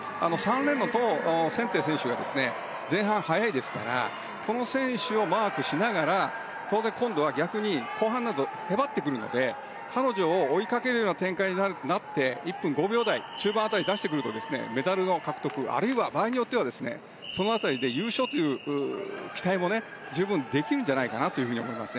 ３レーンのトウ・センテイ選手が前半速いですからこの選手をマークしながら当然、今度は逆に後半、へばってくるので彼女を追いかけるような展開になって１分５秒中盤を出してくればメダルの獲得、場合によってはその辺りで優勝という期待も十分にできるんじゃないかなと思います。